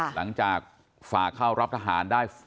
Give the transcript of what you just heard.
หลังจากฝ่าเข้ารับทหารได้